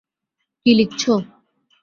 কী লিখছো?